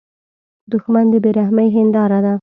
دښمن د بې رحمۍ هینداره ده